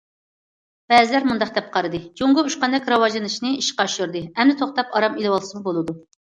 بەزىلەر مۇنداق دەپ قارىدى: جۇڭگو ئۇچقاندەك راۋاجلىنىشنى ئىشقا ئاشۇردى، ئەمدى توختاپ ئارام ئېلىۋالسىمۇ بولىدۇ.